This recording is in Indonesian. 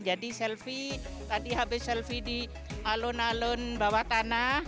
jadi selfie tadi habis selfie di alun alun bawah tanah